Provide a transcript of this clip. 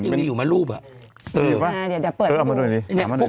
อยู่นี่อยู่มั้ยรูปอ่ะเดี๋ยวอ่าเดี๋ยวเดี๋ยวเปิดให้ดูเอามาหน่อยนี่